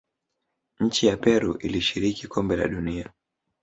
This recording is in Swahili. nchi ya peru ilishiriki kombe la dunia